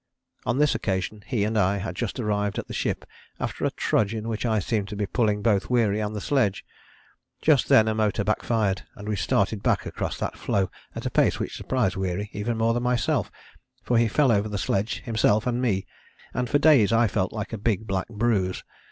On this occasion he and I had just arrived at the ship after a trudge in which I seemed to be pulling both Weary and the sledge. Just then a motor back fired, and we started back across that floe at a pace which surprised Weary even more than myself, for he fell over the sledge, himself and me, and for days I felt like a big black bruise.